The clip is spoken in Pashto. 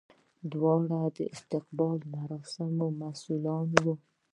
دواړه د استقبال مراسمو مسولین وو.